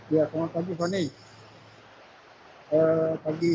ya selamat pagi fani